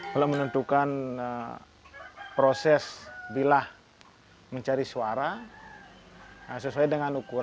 kalau menentukan proses bilah mencari suara sesuai dengan ukuran ketebalan dengan diameter